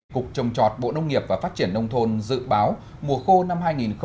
cục trồng trọt bộ nông nghiệp và phát triển nông thôn dự báo mùa khô năm hai nghìn hai mươi hai nghìn hai mươi một